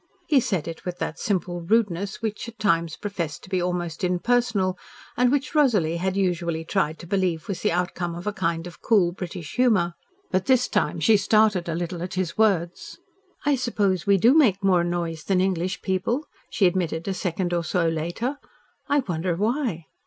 He said it with that simple rudeness which at times professed to be almost impersonal, and which Rosalie had usually tried to believe was the outcome of a kind of cool British humour. But this time she started a little at his words. "I suppose we do make more noise than English people," she admitted a second or so later. "I wonder why?"